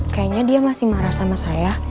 kayaknya dia masih marah sama saya